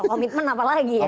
komitmen apalagi ya